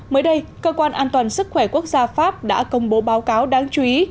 mới đây cơ quan an toàn sức khỏe quốc gia pháp đã công bố báo cáo đáng chú ý